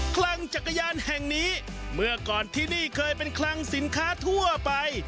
คลังจักรยานแห่งนี้เมื่อก่อนที่นี่เคยเป็นคลังสินค้าทั่วไป